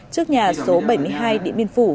trước nhà số bảy mươi hai điện biên phủ